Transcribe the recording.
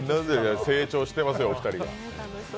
成長してますよ、お二人とも。